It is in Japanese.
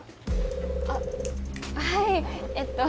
あはいえっと。